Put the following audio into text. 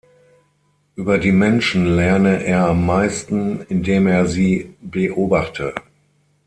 Über die Menschen lerne er am meisten, in dem er sie beobachte.